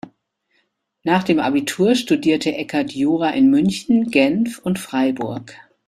Nach dem Abitur studierte Eckert Jura in München, Genf und Freiburg.